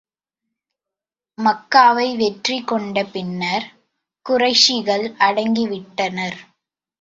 மக்காவை வெற்றி கொண்ட பின்னர், குறைஷிகள் அடங்கி விட்டனர்.